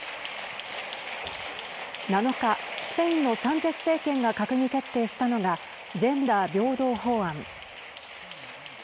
７日、スペインのサンチェス政権が閣議決定したのがジェンダー平等法案。